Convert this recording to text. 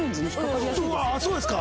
あっそうですか。